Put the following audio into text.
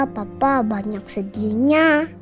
papa banyak sedihnya